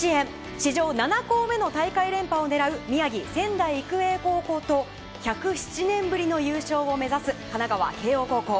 史上７校目の大会連覇を狙う宮城・仙台育英高校と１０７年ぶりの優勝を目指す神奈川・慶應高校。